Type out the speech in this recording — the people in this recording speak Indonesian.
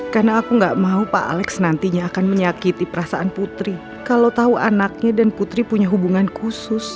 karena aku gak mau pak alex nantinya akan menyakiti perasaan putri kalau tahu anaknya dan putri punya hubungan khusus